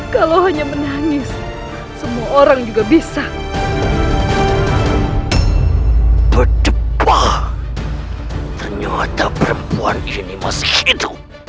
kalau hanya menangis semua orang juga bisa berdepa ternyata perempuan ini masih hidup